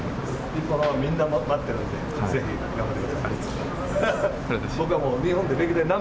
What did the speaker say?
日本のファン、みんな待ってるんで、ぜひ頑張ってください。